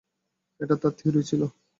এটা তার থিওরি ছিল।